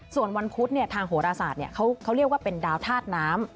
ส่วนวันพุธเนี่ยทางโฮลาซานเนี่ยเขาเรียกว่าเป็นดาวทาสน้ำ